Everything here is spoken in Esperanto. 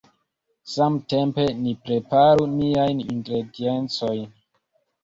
Samtempe ni preparu niajn ingrediencojn.